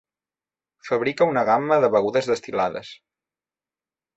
Fabrica una gamma de begudes destil·lades.